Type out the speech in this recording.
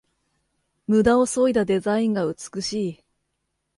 ムダをそいだデザインが美しい